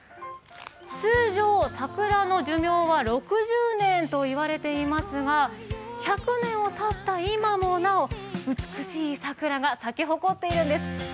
通常桜の寿命は６０年と言われていますが１００年をたった今もなお、美しい桜が咲き誇っているんです。